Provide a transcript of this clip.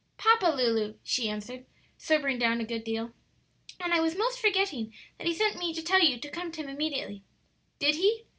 "Papa, Lulu," she answered, sobering down, a good deal; "and I was 'most forgetting that he sent me to tell you to come to him immediately." "Did he?"